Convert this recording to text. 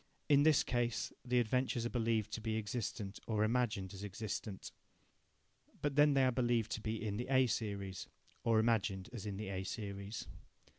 In this case, the adventures are believed to be existent or imagined as existent. But then they are believed to be in the A series, or imagined as in the A series.